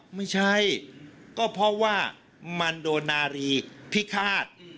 ไม่ใช่ก็เพราะว่ามันโดนนารีพิฆาต